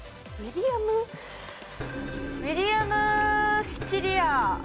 ウィリアム・シチリア。